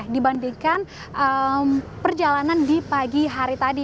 dibandingkan perjalanan di pagi hari tadi